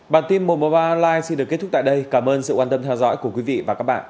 bản tin một trăm một mươi ba online xin được kết thúc tại đây cảm ơn sự quan tâm theo dõi của quý vị và các bạn